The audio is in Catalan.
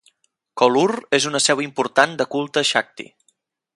Kollur és una seu important de culte Shakti.